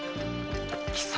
貴様